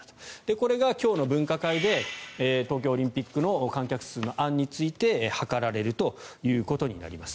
これが今日の分科会で東京オリンピックの観客数の案について諮られるということになります。